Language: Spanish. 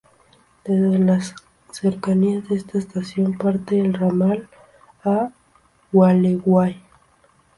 Desde las cercanías de esta estación parte el ramal a Gualeguay.